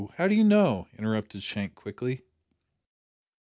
How do you know?" interrupted Shank quickly.